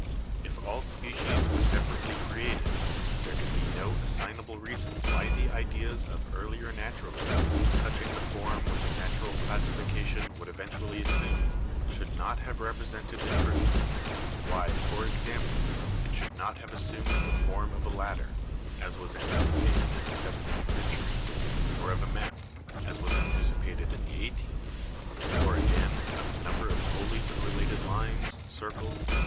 If all species were separately created, there can be no as signable reason why the ideas of earlier naturalists touch ing the form which a natural classification would eventu ally assume should not have represented the truth — why, for example, it should not have assumed the form of a ladder (as was anticipated in the seventeenth century), or of a map (as was anticipated in the eighteenth), or, again, of a number of wholly unrelated lines, circles, etc.